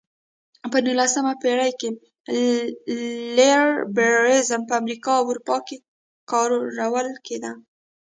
په نولسمه پېړۍ کې لېبرالیزم په امریکا او اروپا کې کارول کېده.